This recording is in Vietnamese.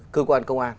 cơ quan công an